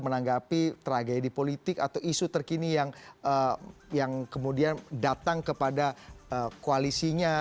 menanggapi tragedi politik atau isu terkini yang kemudian datang kepada koalisinya